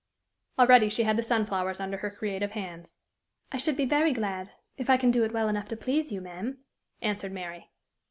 Already she had the sunflowers under her creative hands. "I should be very glad if I can do it well enough to please you, ma'am," answered Mary.